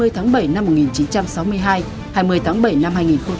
hai mươi tháng bảy năm một nghìn chín trăm sáu mươi hai hai mươi tháng bảy năm hai nghìn hai mươi